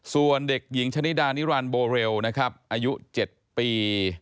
ส่วนเด็กหญิงชะนิดานิรันดิโบเรลนะครับอายุ๗ปี